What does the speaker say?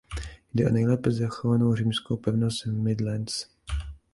Jde o nejlépe zachovanou římskou pevnost v Midlands.